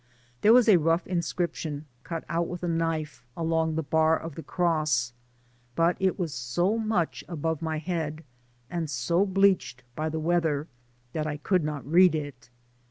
There was a rough inscription, cut out with a knife, along the bar of the cross ; but it was so much above my head, and so bleached by the weather, that I could not read it.